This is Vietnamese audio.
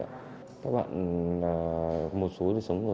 các bạn có một số sống ở chỗ khác và một số sống tại nhà em